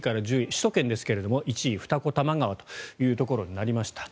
首都圏ですが１位、二子玉川というところになりました。